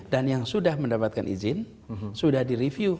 dan yang sudah mendapatkan izin sudah direview